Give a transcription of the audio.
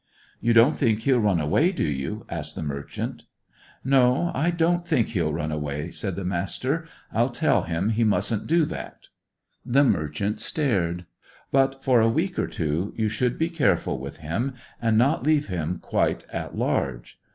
"You don't think he'll run away, do you?" asked the merchant. "No; I don't think he'll run away," said the Master. "I'll tell him he mustn't do that." The merchant stared. "But, for a week or two, you should be careful with him, and not leave him quite at large."